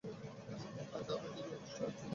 না, যা হয়েছে যথেষ্ট হয়েছে।